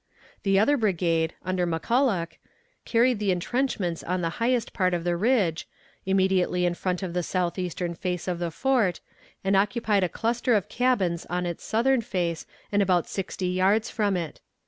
The other brigade, under McCulloch, carried the intrenchments on the highest part of the ridge, immediately in front of the southeastern face of the fort, and occupied a cluster of cabins on its southern face and about sixty yards from it.